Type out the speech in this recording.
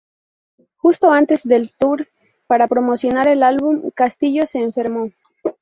Justo antes del tour para promocionar el álbum, Castillo se enfermó.